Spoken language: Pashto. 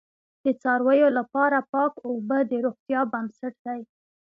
د څارویو لپاره پاک اوبه د روغتیا بنسټ دی.